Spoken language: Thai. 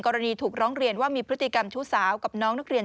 กรณีถูกร้องเรียนว่ามีพฤติกรรมชู้สาวกับน้องนักเรียน